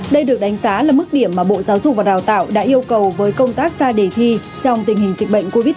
đây được đánh giá là mức điểm mà bộ giáo dục và đào tạo đã yêu cầu với công tác ra đề thi trong tình hình dịch bệnh covid một mươi chín